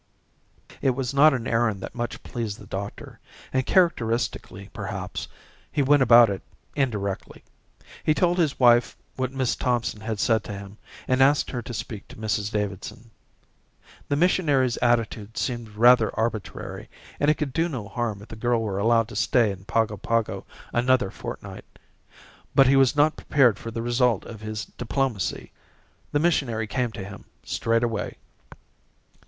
It was not an errand that much pleased the doctor, and, characteristically perhaps, he went about it indirectly. He told his wife what Miss Thompson had said to him and asked her to speak to Mrs Davidson. The missionary's attitude seemed rather arbitrary and it could do no harm if the girl were allowed to stay in Pago Pago another fortnight. But he was not prepared for the result of his diplomacy. The missionary came to him straightway.